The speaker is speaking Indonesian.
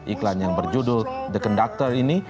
iklan yang berjudul the conductor ini